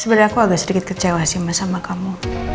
aku sedikit kecewasin sama kamu